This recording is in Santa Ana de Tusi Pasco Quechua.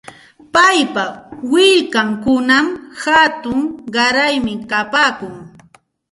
Paypa willkankunam hatun qaraymi kapaakun.